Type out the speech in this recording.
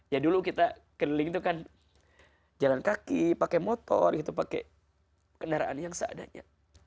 ya dulu kita keliling itu kan jalan kaki pakai motor gitu pakai kendaraan yang seadanya